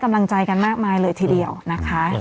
กำลังใจกันมากมายเลยทีเดียวนะคะ